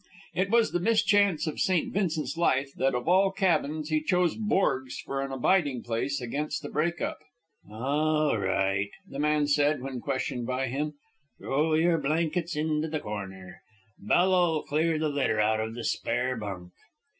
It was the mischance of St. Vincent's life that of all cabins he chose Borg's for an abiding place against the break up. "All right," the man said, when questioned by him. "Throw your blankets into the corner. Bella'll clear the litter out of the spare bunk."